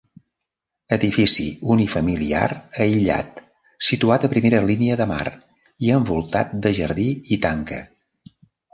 Edifici unifamiliar aïllat, situat a primera línia de mar i envoltat de jardí i tanca.